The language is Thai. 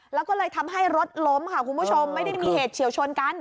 แล้วก็เลยทำให้รถล้มค่ะคุณผู้ชมไม่ได้มีเหตุเฉียวชนกัน